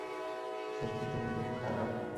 সত্যিই তুমি খুব খারাপ।